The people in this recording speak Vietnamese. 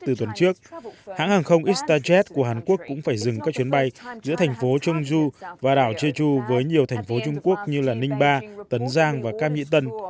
trong tuần trước hãng hàng không istajet của hàn quốc cũng phải dừng các chuyến bay giữa thành phố chungju và đảo jeju với nhiều thành phố trung quốc như là ningba tấn giang và cam nghị tân